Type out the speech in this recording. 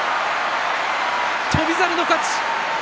翔猿の勝ち。